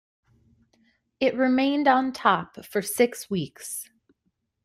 It remained on top for six weeks.